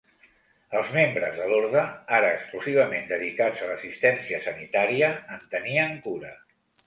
Els membres de l'orde, ara exclusivament dedicats a l'assistència sanitària, en tenien cura.